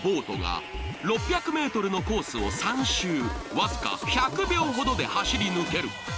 わずか１００秒ほどで走り抜ける。